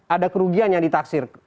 ada kerugian yang ditaksir